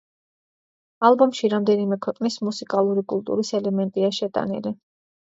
ალბომში რამდენიმე ქვეყნის მუსიკალური კულტურის ელემენტია შეტანილი.